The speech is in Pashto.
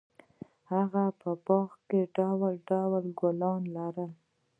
هغه په باغ کې ډول ډول ګلونه لرل.